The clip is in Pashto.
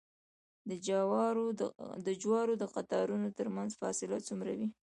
د جوارو د قطارونو ترمنځ فاصله څومره وي؟